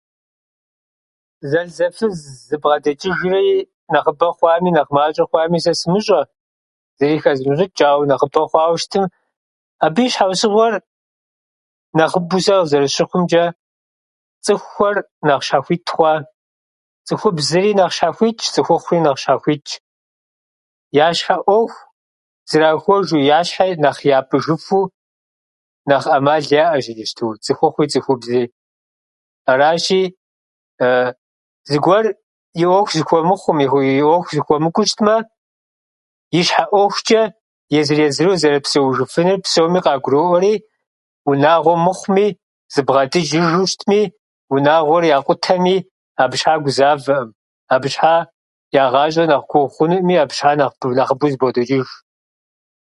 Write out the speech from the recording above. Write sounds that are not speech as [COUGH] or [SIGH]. Зэлӏзэфыз зэбгъэдэкӏыжри нэхъыбэ хъуами, нэхъ мащӏэ хъуами, сэ сымыщӏэ, зыри хэзмыщӏычӏ, ауэ нэхъыбэ хъуауэ щытмэ, абы и щхьэусыгъуэр нэхъыбэу сэ къызэрысщыхъумчӏэ, цӏыхухьэр нэхъ щхьэхуит хъуа. Цӏыхубзри нэхъ щхьэхуитщ, цӏыхухъури нэхъ щхьэхуитщ. Я щхьэӏуэху зырахуэжу, я щхьэри нэхъ япӏыжыфу нэхъ ӏэмал яӏэщ иджыпсту цӏыхухъуи цӏыхубзи. Аращи [HESITATION] зыгуэр и ӏуэху зыхуэмыхъум, и ӏуэху зыхуэмыкӏуэу щытмэ, и щхьэ ӏуэхучӏэ езыр-езыру зэрыпсэужыфынур псоми къагуроӏуэри унагъуэ мыхъуми, зэбгъэдэчӏыжу щытми, унагъуэр якъутэми, абы щхьа гузавэӏым. Абы щхьэ я гъащӏэр нэхъ гугъу хъунуӏыми, абы щхьэчӏэ нэхъ- нэхъыбэуи зэбгъэдокӏыж.